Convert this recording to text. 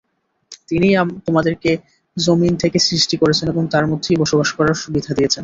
তিনিই তোমাদেরকে যমীন থেকে সৃষ্টি করেছেন এবং তার মধ্যেই বসবাস করার সুবিধা দিয়েছেন।